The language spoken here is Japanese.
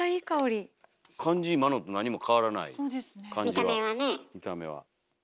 見た目は。